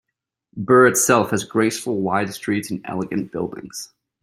Birr itself has graceful wide streets and elegant buildings.